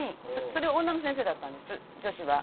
女子は、女の先生だったんです。